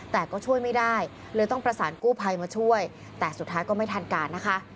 แต่ก็ช่วยไม่ได้เลยต้องประสานกู้ภัยมาช่วยแต่สุดท้ายก็ไม่ทันการนะคะ